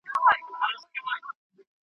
که ته نن له ما سره بازار ته لاړ شې، ډېر به ښه وي.